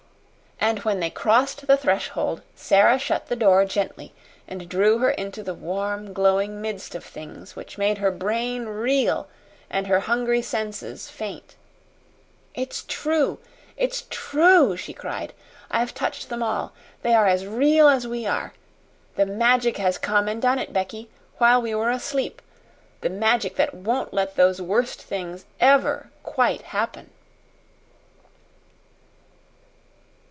And when they crossed the threshold, Sara shut the door gently and drew her into the warm, glowing midst of things which made her brain reel and her hungry senses faint. "It's true! It's true!" she cried. "I've touched them all. They are as real as we are. The Magic has come and done it, Becky, while we were asleep the Magic that won't let those worst things EVER quite happen."